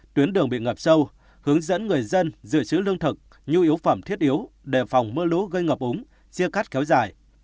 tuyến đường bị ngập sâu hướng dẫn người dân dự trữ lương thực nhu yếu phẩm thiết yếu đề phòng mưa lũ gây ngập úng chia cắt kéo dài